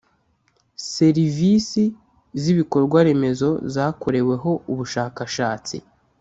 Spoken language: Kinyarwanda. Serivisi z ibikorwaremezo zakoreweho ubushakashatsi